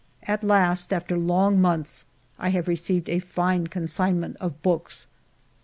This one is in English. At last, after long months, I have received a fine consignment of books.